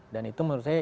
dan itu menurut saya